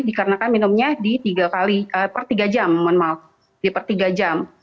dikarenakan minumnya di tiga kali per tiga jam mohon maaf di per tiga jam